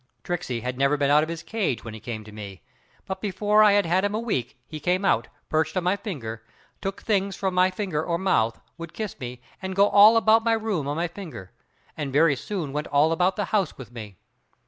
Tricksey had never been out of his cage when he came to me, but before I had had him a week, he came out, perched on my finger, took things from my finger or mouth, would kiss me, and go all about my room on my finger, and very soon went all about the house with me.